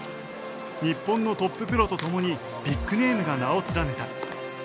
日本のトッププロとともにビッグネームが名を連ねた。